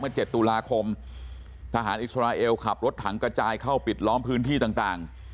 ๗ตุลาคมทหารอิสราเอลขับรถถังกระจายเข้าปิดล้อมพื้นที่ต่าง